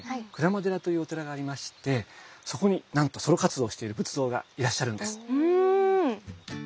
鞍馬寺というお寺がありましてそこになんとソロ活動をしている仏像がいらっしゃるんです。